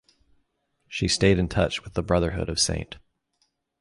She stayed in touch with the Brotherhood of Saint.